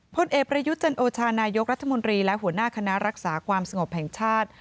พลเอกประยุทธ์จันโอชานายกรัฐมนตรีและหัวหน้าคณะรักษาความสงบแห่งชาติ